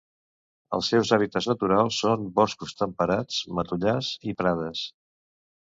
Els seus hàbitats naturals són boscos temperats, matollars i prades.